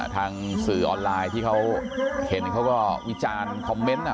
ทางสื่อออนไลน์ที่เขาเห็นเขาก็วิจารณ์คอมเมนต์